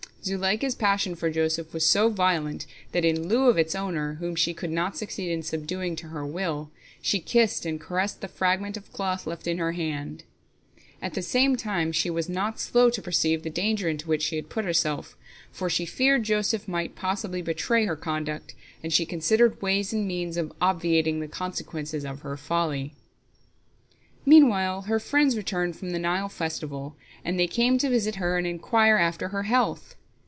Zuleika's passion for Joseph was so violent that, in lieu of its owner, whom she could not succeed in subduing to her will, she kissed and caressed the fragment of cloth left in her hand. At the same time she was not slow to perceive the danger into which she had put herself, for, she feared, Joseph might possibly betray her conduct, and she considered ways and means of obviating the consequences of her folly. Meanwhile her friends returned from the Nile festival, and they came to visit her and inquire after her health.